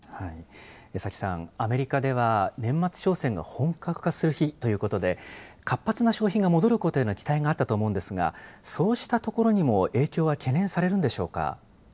江崎さん、アメリカでは年末商戦が本格化する日ということで、活発な消費が戻ることへの期待があったと思うんですが、そうしたところにも影